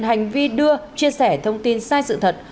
hành vi đưa chia sẻ thông tin sai sự thật